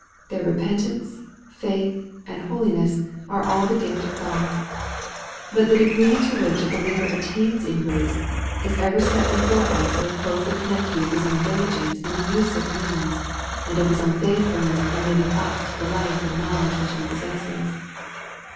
Their repentance, faith, and holi ness, are all the gift of G od. But the degree to which a believer attains in grace, is ever set before us as closely connected with his own diligence in the use of means, and his own faithfulness in living fully up to the light and knowledge which he possesses.